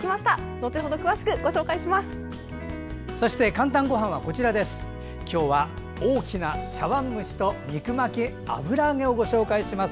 後程、詳しくご紹介します。